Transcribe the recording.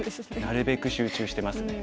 なるべく集中してますね。